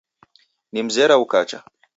Nimzera ukacha.